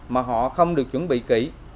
mà họ không được chuẩn bị kỹ